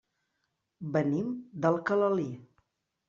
Venim d'Alcalalí.